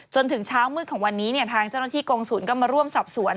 จนถึงเช้ามืดของวันนี้ทางเจ้าหน้าที่กงศูนย์ก็มาร่วมสอบสวน